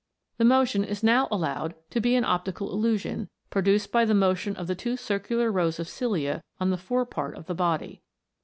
The motion is now THE INVISIBLE WORLD. 219 allowed to be an optical illusion produced by the motion of the two circular rows of cilia on the fore part of the body.